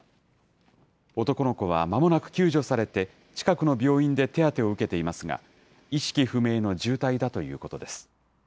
男の子はまもなく救助されて、近くの病院で手当てを受けていますが、意識不明の重体だということです。